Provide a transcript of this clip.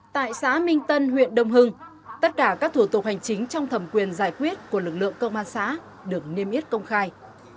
tại xã minh tân huyện đông hưng tất cả các thủ tục hành chính trong thẩm quyền giải quyết của lực lượng công an xã được niêm yết công khai